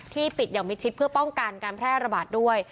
ปิดอย่างมิดชิดเพื่อป้องกันการแพร่ระบาดด้วย